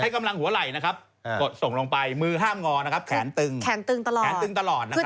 แขนตึงแขนตึงตลอด